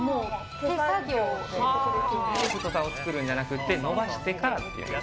太さを作るんじゃなくて延ばしてからっていう。